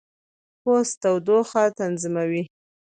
پوست تودوخه تنظیموي.